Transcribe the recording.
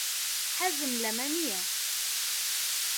حەزم لەمە نییە.